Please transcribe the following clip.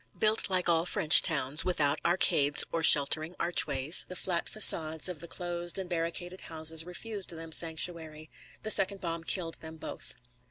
Built like all French towns, without arcades or sheltering archways, the flat façades of the closed and barricaded houses refused them sanctuary. The second bomb killed them both.